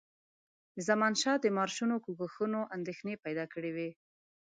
د زمانشاه د مارشونو کوښښونو اندېښنې پیدا کړي وې.